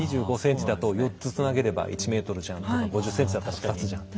２５ｃｍだと４つつなげれば１ｍじゃんとか５０ｃｍだと２つじゃん。